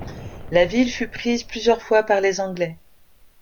La ville fut prise plusieurs fois par les Anglais.